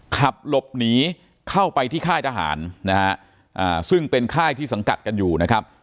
ขับหลบหนีเข้าไปที่ค่ายทหารนะฮะซึ่งเป็นค่ายที่สังกัดกันอยู่นะครับ